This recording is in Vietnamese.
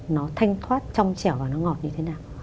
nó thanh thoát trong chẻo và nó ngọt như thế nào